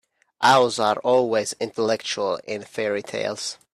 Owls are always intellectual in fairy-tales.